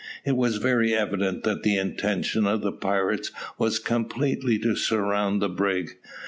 It was very evident that the intention of the pirates was completely to surround the brig.